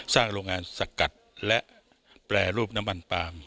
โรงงานสกัดและแปรรูปน้ำมันปาล์ม